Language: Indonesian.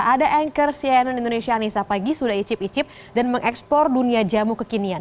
ada anchor cnn indonesia anissa pagi sudah icip icip dan mengekspor dunia jamu kekinian